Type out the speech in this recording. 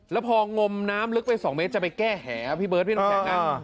แล้วพองมน้ำน้ำลึกไปสองเมตรจะไปแก้แหพี่เบิร์ดพี่น้องแขกนั่ง